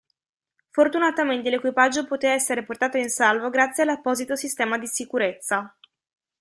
Fortunatamente l'equipaggio poté essere portato in salvo grazie all'apposito sistema di sicurezza.